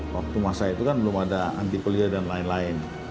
waktu masa itu kan belum ada antipolia dan lain lain